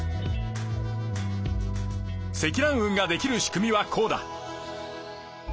積乱雲ができる仕組みはこうだ。